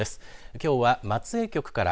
きょうは松江局から。